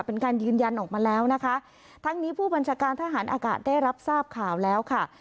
เป็นการยืนยันออกมาแล้วนะคะทั้งนี้ผู้บัญชาการทหารอากาศได้รับทราบข่าวแล้วค่ะ